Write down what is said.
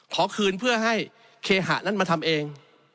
ขอคืนเพื่อให้เคหะนั้นมาทำเอง